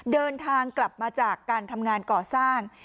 เดินทางกลับมาจากการทำงานก่อสร้าง